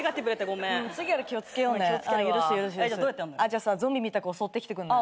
じゃあゾンビみたく襲ってきてくんない？